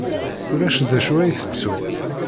Ulac d acu ay tettum?